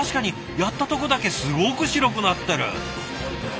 やったとこだけすごく白くなってる！